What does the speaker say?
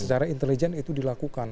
secara intelijen itu dilakukan